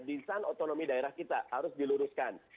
desain otonomi daerah kita harus diluruskan